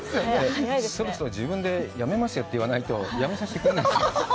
そろそろ自分でやめますよって言わないと、やめさせてくれないんです。